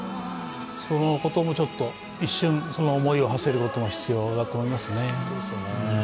そのことも一瞬、思いをはせることも必要だと思いますね。